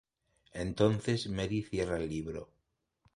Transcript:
Entonces Mary cierra el libro.